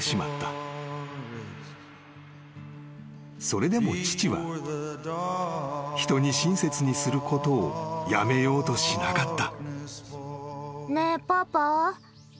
［それでも父は人に親切にすることをやめようとしなかった］